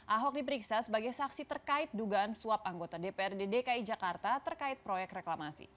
ahok diperiksa sebagai saksi terkait dugaan suap anggota dprd dki jakarta terkait proyek reklamasi